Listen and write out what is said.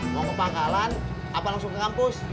mau ke pangkalan apa langsung ke kampus